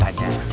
saya seru banget